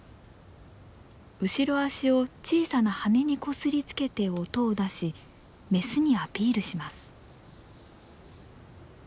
後ろ足を小さな羽にこすりつけて音を出しメスにアピールします。